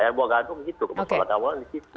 ya gua gaduh gitu kemudian saya datang awal di situ